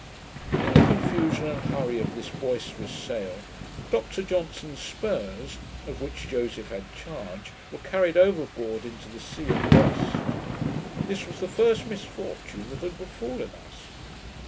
In the confusion and hurry of this boisterous sail, Dr Johnson's spurs, of which Joseph had charge, were carried over board into the sea, and lost. This was the first misfortune that had befallen us.